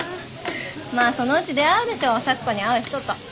まあそのうち出会うでしょ咲子に合う人と。